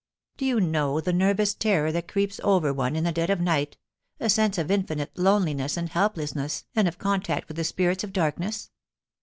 Do you know the nervous terror that creeps over one in the dead cf night— a sense of infinite loneliness and helplessness and of ccntact with the spirits of darkness